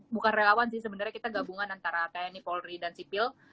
bukan relawan sih sebenarnya kita gabungan antara tni polri dan sipil